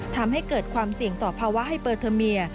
ทำให้เกิดความเสี่ยงต่อภาวะไฮเปอร์เทอร์เมีย